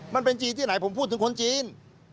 มันเป็นจีนที่ไหนผมพูดถึงคนจีน